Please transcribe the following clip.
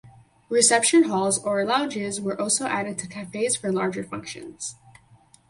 Reception halls or lounges were also added to cafes for larger functions.